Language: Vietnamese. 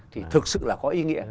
thì thực sự là có ý nghĩa